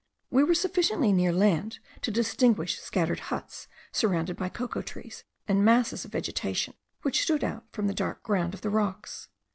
We were sufficiently near land to distinguish scattered huts surrounded by cocoa trees, and masses of vegetation, which stood out from the dark ground of the rocks.